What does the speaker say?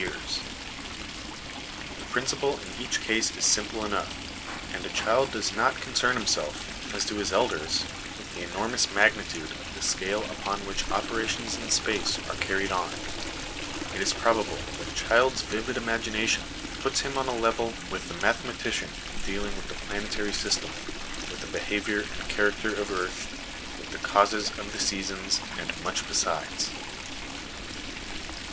1 See Appendix A. 278 HOME EDUCATION The principle in each case is simple enough, and a child does not concern himself, as do his elders, with the enormous magnitude of the scale upon which operations in space are carried on. It is probable that a child's vivid imagination puts him on a level with the mathematician in dealing with the planetary system, with the behaviour and character of Earth, with the causes of the seasons, and much besides.